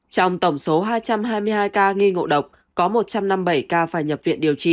trong tổng số hai trăm hai mươi hai ca nghi ngộ độc có một trăm năm mươi bảy ca phải nhập viện điều trị